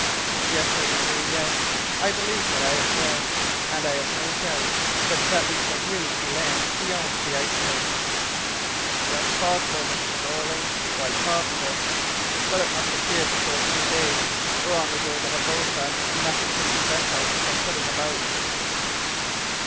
"Yes, Hurliguerly, yes I believe what I have said, and I have no doubt but that we shall really see the land beyond the icebergs." "Just possible, Mr. Jeorling, quite possible. But it must appear before two days, or, on the word of a boatswain, nothing can prevent us from putting about!"